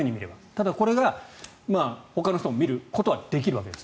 ただ、これがほかの人も見ることはできるわけです。